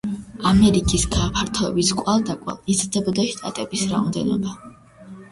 ამერიკის გაფართოების კვალდაკვალ იზრდებოდა შტატების რაოდენობა.